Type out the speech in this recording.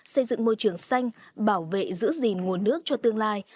xây dựng môi trường xanh bảo vệ giữ gìn nguồn nước cho tương lai